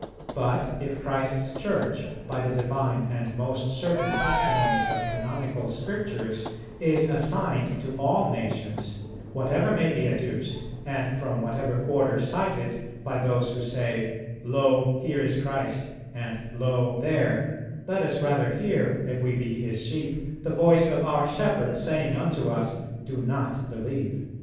But if Christ's Church, by the divine and most certain testimonies of Canonical Scriptures, is assigned to all nations, whatever may be adduced, and from whatever quarter cited, by those who say, 'Lo, here is Christ and lo there,' let us rather hear, if we be His sheep, the voice of our Shepherd saying unto us, 'Do not believe.'